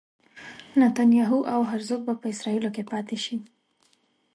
نتنیاهو او هرزوګ به په اسرائیلو کې پاتې شي.